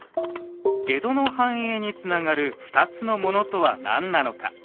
江戸の繁栄につながる２つのものとは何なのか。